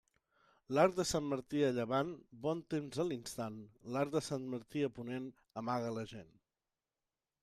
L'arc de Sant Martí a llevant, bon temps a l'instant; l'arc de Sant Martí a ponent, amaga la gent.